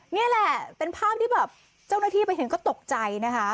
นี่แหละเป็นภาพที่แบบเจ้าหน้าที่ไปเห็นก็ตกใจนะคะ